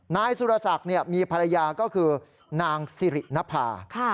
นายสุรศักดิ์มีภรรยาก็คือนางสิรินภา